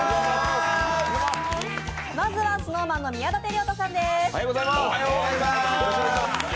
まずはＳｎｏｗＭａｎの宮舘涼太さんです。